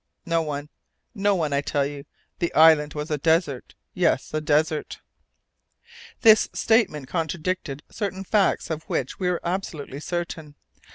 "No one! No one, I tell you. The island was a desert yes, a desert!" This statement contradicted certain facts of which we were absolutely certain.